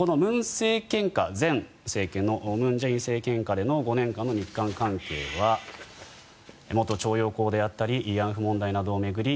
この前政権の文政権下５年間の日韓関係は元徴用工であったり慰安婦問題などを巡り